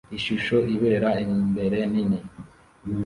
Ishusho ibera imbere nini